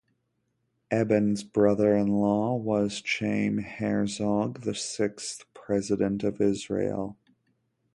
Eban's brother-in-law was Chaim Herzog, the sixth President of Israel.